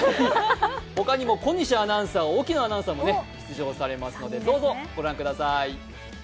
他にも小西アナウンサー、沖野アナウンサーも出場しますので、どうぞご覧ください。